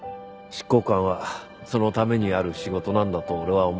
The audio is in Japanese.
執行官はそのためにある仕事なんだと俺は思う。